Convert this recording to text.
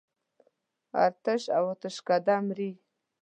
آتش او آتشکده مري.